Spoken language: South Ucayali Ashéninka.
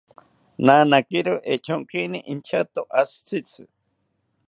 Nanakiro echonkini inchato ashi tzitzi